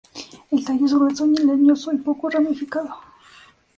El tallo es grueso, leñoso y poco ramificado.